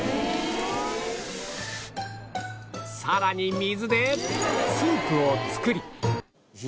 さらに水でスープを作り